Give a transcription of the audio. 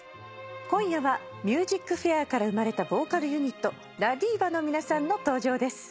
今夜は『ＭＵＳＩＣＦＡＩＲ』から生まれたボーカルユニットＬＡＤＩＶＡの皆さんの登場です。